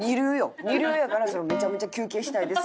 二流やから「めちゃめちゃ休憩したいです」